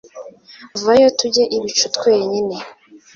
vayo tujye ibicu twenyine